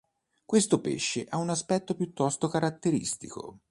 Questo pesce ha un aspetto piuttosto caratteristico.